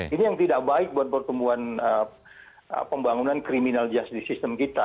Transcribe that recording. ini yang tidak baik buat pertumbuhan pembangunan criminal justice system kita